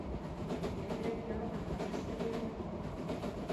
Әҙерәк ярҙам да хәстәрләрмен